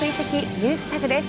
ＮｅｗｓＴａｇです。